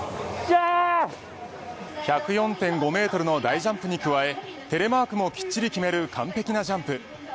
１０４．５ｍの大ジャンプに加えテレマークもきっちり決める完璧なジャンプ。